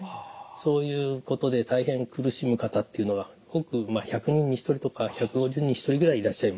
そういうことで大変苦しむ方っていうのが１００人に１人とか１５０人に１人ぐらいいらっしゃいますね。